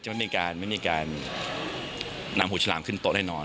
จะไม่มีการนำหมูฉลามขึ้นโต๊ะได้นอน